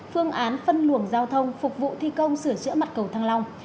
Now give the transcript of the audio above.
phương án phân luồng giao thông phục vụ thi công sửa chữa mặt cầu thăng long